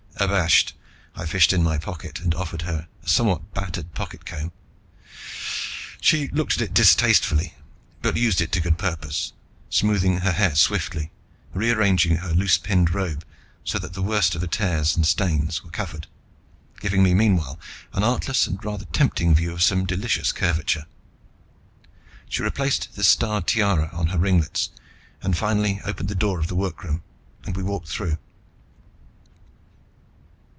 Abashed, I fished in a pocket and offered her a somewhat battered pocket comb. She looked at it distastefully but used it to good purpose, smoothing her hair swiftly, rearranging her loose pinned robe so that the worst of the tears and stains were covered, and giving me, meanwhile, an artless and rather tempting view of some delicious curvature. She replaced the starred tiara on her ringlets and finally opened the door of the workroom and we walked through.